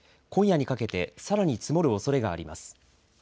今夜にかけてさらに積もるおそれがあります。